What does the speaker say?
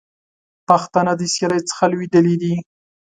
پښتانه د سیالۍ څخه لوېدلي دي.